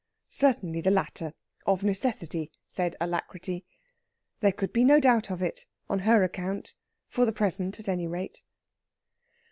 Certainly the latter, of necessity, said Alacrity. There could be no doubt of it, on her account for the present, at any rate.